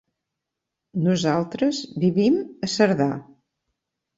Nosaltres vivim a Cerdà.